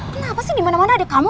kenapa sih dimana mana ada kamu